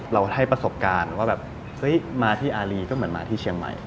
เราให้ประสบการณ์ว่าแบบเฮ้ยมาที่อารีก็เหมือนมาที่เชียงใหม่